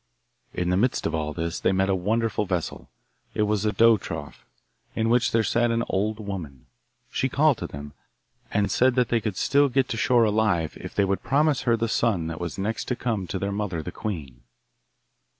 In the midst of all this they met a wonderful vessel it was a dough trough, in which there sat an old woman. She called to them, and said that they could still get to shore alive if they would promise her the son that was next to come to their mother the queen.